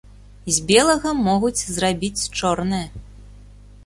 З белага могуць зрабіць чорнае.